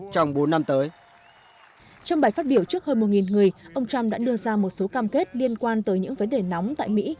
trong bài phát biểu trước hơn một người ông trump đã đưa ra một số cam kết liên quan tới những vấn đề nóng tại mỹ